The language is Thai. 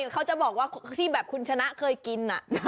เขาจะบอกว่าที่แบบคุณชนะเคยกิน